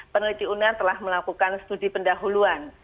peneliti uner telah melakukan studi pendahuluan